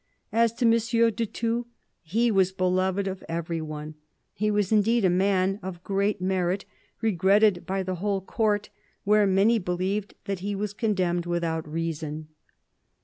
As to M. de Thou, he was beloved of every one : he was indeed a man of great merit, regretted by the whole Court, where many believed that he was condemned without reason."